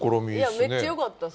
いやめっちゃよかったっすね。